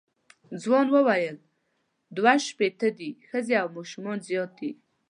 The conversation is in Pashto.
ځوان وویل دوه شپېته دي ښځې او ماشومان زیات دي.